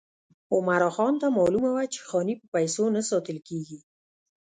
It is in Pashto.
عمرا خان ته معلومه وه چې خاني په پیسو نه ساتل کېږي.